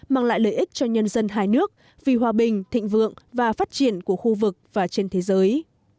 mang lại lợi ích cho nhân dân hai nước vì hòa bình thịnh vượng và phát triển của khu vực và trên thế giới